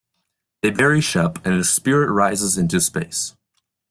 They bury Shep and his spirit rises into space.